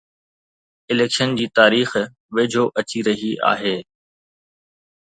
election جي تاريخ ويجهو اچي رهي آهي